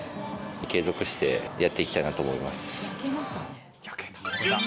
継続してやっていきたいなと思います。